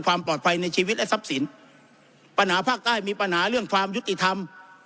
ความปลอดภัยในชีวิตและทรัพย์สินปัญหาภาคใต้มีปัญหาเรื่องความยุติธรรม